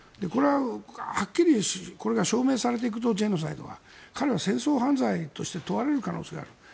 これははっきりこれが証明されていくとジェノサイドが彼は戦争犯罪として問われる可能性がある。